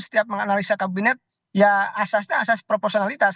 setiap menganalisa kabinet ya asasnya asas proporsionalitas